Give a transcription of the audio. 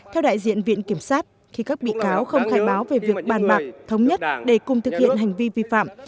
theo đại diện viện kiểm sát khi các bị cáo không khai báo về việc bàn bạc thống nhất để cùng thực hiện hành vi vi phạm